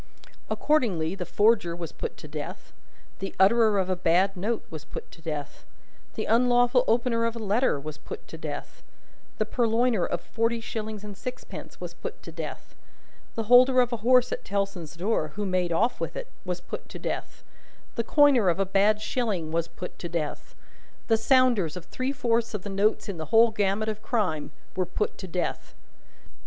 Accordingly, the forger was put to Death; the utterer of a bad note was put to Death; the unlawful opener of a letter was put to Death; the purloiner of forty shillings and sixpence was put to Death; the holder of a horse at Tellson's door, who made off with it, was put to Death; the coiner of a bad shilling was put to Death; the sounders of three fourths of the notes in the whole gamut of Crime, were put to Death.